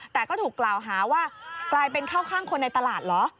แต่ก็ถูกกล่าวหาว่ากลายเป็นเข้าข้างคนในตลาดเหรอ